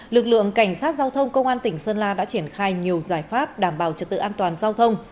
lực lượng cảnh sát giao thông công an tỉnh sơn la đã triển khai nhiều giải pháp đảm bảo trật tự an toàn giao thông